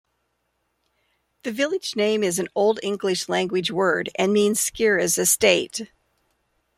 The village name is an Old English language word, and means 'Scira's estate'.